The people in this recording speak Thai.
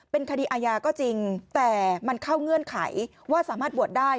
เป็นคดีอาญาก็จริงแต่มันเข้าเงื่อนไขว่าสามารถบวชได้